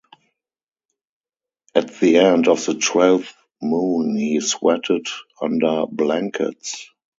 At the end of the twelfth moon he sweated under blankets.